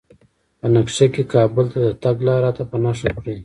په نقشه کې کابل ته د تګ لار راته په نښه کړئ